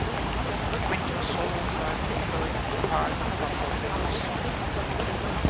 Requinto solos are typically part of a bolero song.